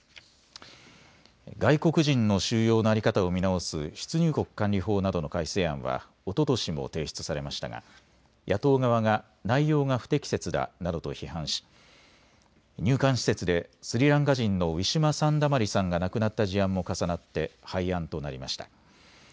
外国人の収容の在り方を見直す出入国管理法などの改正案はおととしも提出されましたが野党側が内容が不適切だなどと批判し入管施設でスリランカ人のウィシュマ・サンダマリさんが亡くなった事案も重なって廃案となりました。